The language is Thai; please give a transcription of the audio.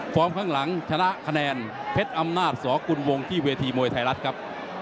ข้างหลังชนะคะแนนเพชรอำนาจสกุลวงที่เวทีมวยไทยรัฐครับ